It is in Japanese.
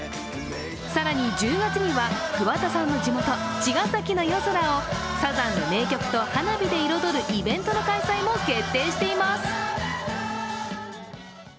更に、１０月には桑田さんの地元・茅ヶ崎の夜空をサザンの名曲と花火で彩るイベントの開催も決定しています。